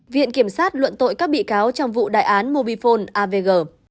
viện kiểm sát luận tội các bị cáo trong vụ đại án mobifone avg